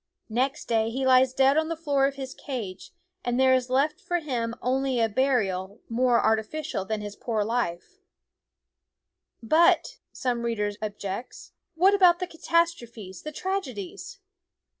Next day he lies dead on the floor of his cage, and there is left for him only a burial more artificial than his poor life. ffie Animals Die 356 TfoM DIG SCHOOL Of " But," some reader objects, " what about the catastrophes, the tragedies